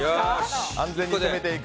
安全に攻めていく。